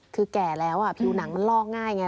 คือแก่แล้วผิวหนังมันลอกง่ายไง